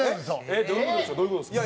どういう事ですか？